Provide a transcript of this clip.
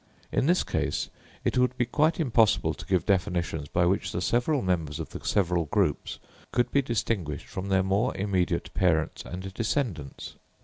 In this case it would be quite impossible to give definitions by which the several members of the several groups could be distinguished from their more immediate parents and descendants.